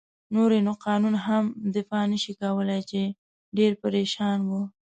نور يې نو قانون هم دفاع نه شي کولای، چې ډېر پرېشان و.